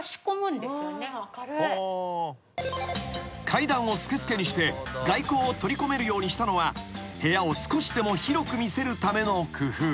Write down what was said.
［階段をすけすけにして外光を取り込めるようにしたのは部屋を少しでも広く見せるための工夫］